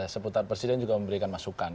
seputar presiden juga memberikan masukan